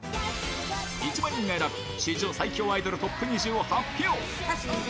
１万人が選ぶ史上最強アイドルＴＯＰ２０を発表。